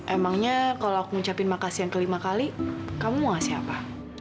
emangnya kalau aku ngucapin makasih yang kelima kali kamu mau ngasih apa